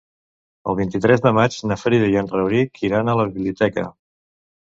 El vint-i-tres de maig na Frida i en Rauric iran a la biblioteca.